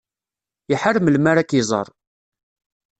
Iḥar melmi ara k-iẓer.